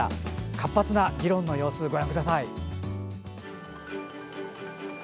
活発な議論の様子をご覧ください。